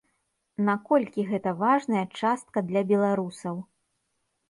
Наколькі гэта важная частка для беларусаў?